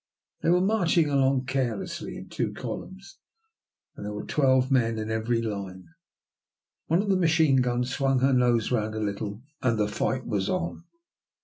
They were marching along carelessly in two columns and there were twelve men in every line. One of the machine guns swung her nose around a little and the fight was on.